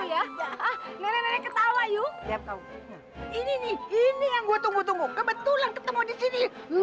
ya anak you itu tuh cucu you yang gak becus